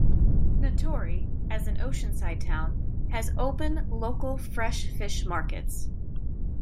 Natori, as an oceanside town, has open local fresh fish markets.